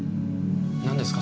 なんですか？